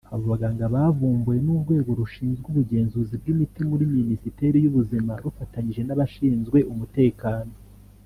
Abo baganga bavumbuwe n’urwego rushinzwe ubugenzuzi bw’imiti muri Minisiteri y’Ubuzima rufatanyije n’abashinzwe umutekano